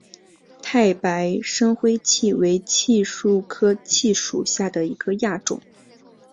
太白深灰槭为槭树科槭属下的一个亚种。